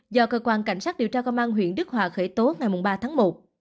do cơ quan cảnh sát điều tra công an huyện đức hòa khởi tố ngày ba tháng một